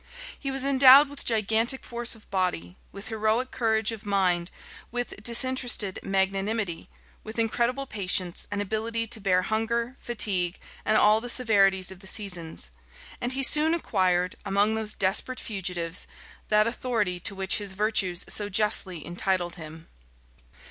He was endowed with gigantic force of body, with heroic courage of mind, with disinterested magnanimity, with incredible patience, and ability to bear hunger, fatigue, and all the severities of the seasons; and he soon acquired, among those desperate fugitives, that authority to which his virtues so justly entitled him.